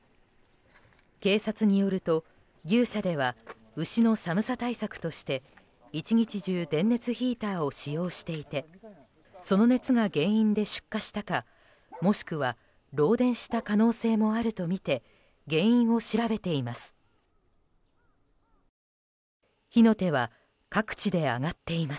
警察によると、牛舎では牛の寒さ対策として１日中電熱ヒーターを使用していてその熱が原因で出火したかもしくは漏電した可能性もあるとみて原因を調べています。